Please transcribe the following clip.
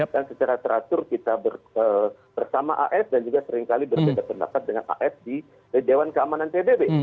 dan secara teratur kita bersama as dan juga seringkali berbeda pendapat dengan as di dewan keamanan tdb